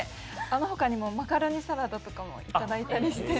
あのほかにも、マカロニサラダとかもいただいたりして。